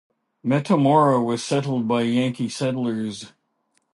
Metamora was settled by Yankee settlers.